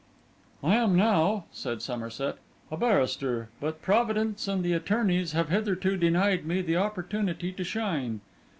'I am now,' said Somerset, 'a barrister; but Providence and the attorneys have hitherto denied me the opportunity to shine.